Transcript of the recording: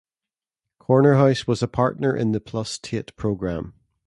Cornerhouse was a partner in the plus Tate programme.